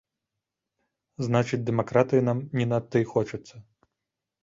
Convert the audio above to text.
Значыць, дэмакратыі нам не надта і хочацца.